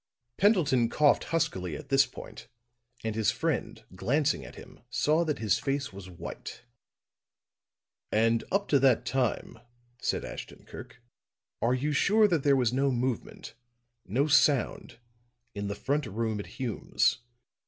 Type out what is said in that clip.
Pendleton coughed huskily at this point; and his friend glancing at him saw that his face was white. "And up to that time," said Ashton Kirk, "are you sure that there was no movement no sound in the front room at Hume's?"